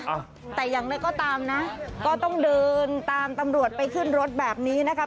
อ่ะแต่อย่างไรก็ตามนะก็ต้องเดินตามตำรวจไปขึ้นรถแบบนี้นะคะ